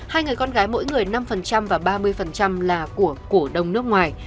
hai người con gái mỗi người năm và ba mươi là của cổ đông nước ngoài